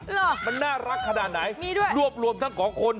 หรอมันน่ารักขนาดไหนรวมทั้งคน